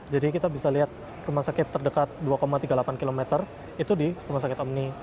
jadi kita bisa lihat rumah sakit terdekat dua tiga puluh delapan km itu di rumah sakit omni